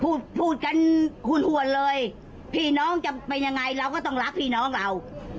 พูดพูดกันหวนเลยพี่น้องจะเป็นยังไงเราก็ต้องรักพี่น้องเรา